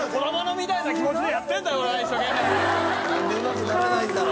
なんでうまくならないんだろう？